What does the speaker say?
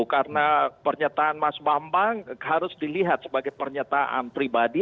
karena pernyataan mas bambang harus dilihat sebagai pernyataan pribadi